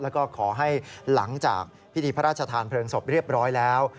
แล้วก็ขอให้หลังจากพิธีพระราชทานเพลิงศพเรียบร้อยแล้ว